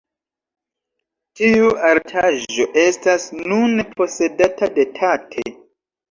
Tiu artaĵo estas nune posedata de Tate.